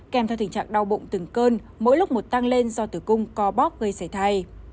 kèm theo tình trạng đau bụng từng cơn mỗi lúc một tăng lên do tử cung co bóp gây xảy thai